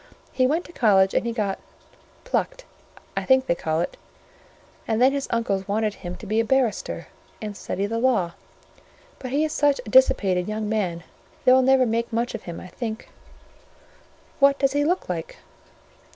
He went to college, and he got—plucked, I think they call it: and then his uncles wanted him to be a barrister, and study the law: but he is such a dissipated young man, they will never make much of him, I think." "What does he look like?"